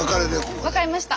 分かりました。